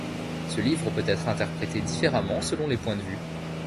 Ce livre peut-être interprété différemment selon les points de vue.